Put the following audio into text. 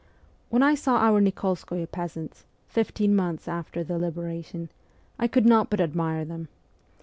When I saw our Nik61skoye peasants, fifteen months after the liberation, I could not but admire them.